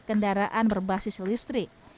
kendaraan berbasis listrik